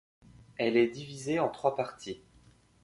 Elle est divisée en trois parties.